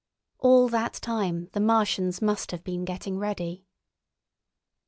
All that time the Martians must have been getting ready.